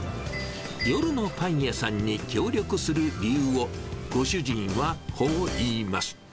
夜のパン屋さんに協力する理由を、ご主人はこう言います。